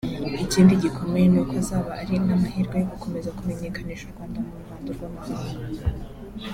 Ikindi gikomeye ngo ni uko azaba ari n’amahirwe yo gukomeza kumenyekanisha u Rwanda mu ruhando rw’amahanga